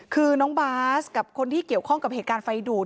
คือน้องบาสกับคนที่เกี่ยวข้องกับเหตุการณ์ไฟดูด